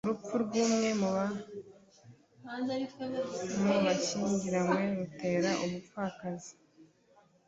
urupfu rw’umwe mu bashyingiranywe rutera ubupfakazi